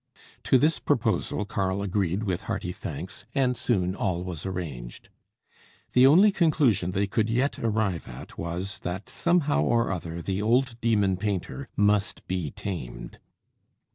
To this proposal Karl agreed with hearty thanks, and soon all was arranged. The only conclusion they could yet arrive at was, that somehow or other the old demon painter must be tamed.